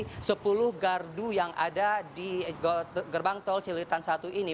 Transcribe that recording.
karena tidak ada lagi gardu yang ada di gerbang tol celilitan satu ini